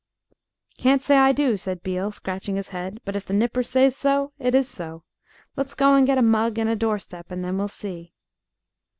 "Can't say I do," said Beale, scratching his head; "but if the nipper says so, it is so. Let's go and get a mug and a door step, and then we'll see."